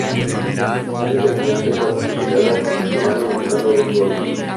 Fue determinante para su llegada a la final, anotando dos goles.